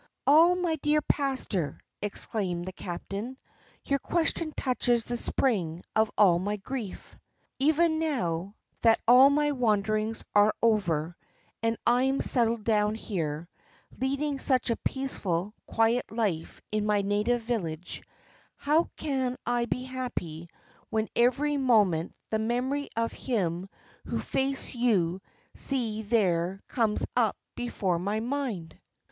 "All, my dear pastor," answered the captain, "your question touches the spring of all my grief. Even now, that all my wanderings are over, and I am settled down here, leading such a peaceful, quiet life in my native village, how can I be happy when every moment the memory of him whose face you see there comes up before my mind?"